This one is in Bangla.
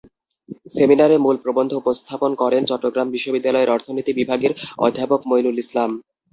সেমিনারে মূল প্রবন্ধ উপস্থাপন করেন চট্টগ্রাম বিশ্ববিদ্যালয়ের অর্থনীতি বিভাগের অধ্যাপক মইনুল ইসলাম।